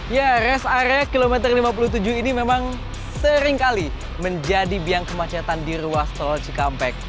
ya res area kilometer lima puluh tujuh ini memang seringkali menjadi biang kemacetan di ruas tol cikampek